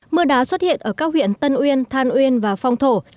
mưa đá xuất hiện ở các huyện tân uyên than uyên và phong thổ